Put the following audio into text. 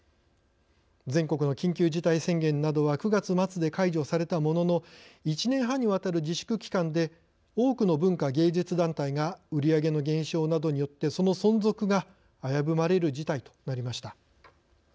全国の緊急事態宣言などは９月末で解除されたものの１年半にわたる自粛期間で多くの文化芸術団体が売り上げの減少などによってその存続が危ぶまれる事態となりました。